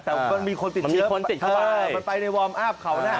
แต่มันมีคนติดเชื้อมันไปในเขาน่ะเออ